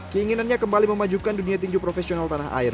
keinginannya kembali memajukan dunia tinju profesional tanah air